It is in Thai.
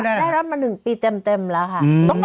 ได้รับมา๑ปีเต็มแล้วค่ะ